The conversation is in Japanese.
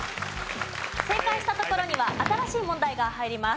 正解した所には新しい問題が入ります。